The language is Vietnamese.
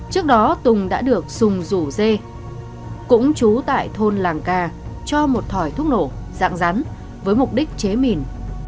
trước đó tùng đã được sùng rủ dê cũng trú tại thôn làng ca cho một thỏi thuốc nổ dạng rắn với mục đích chế mìn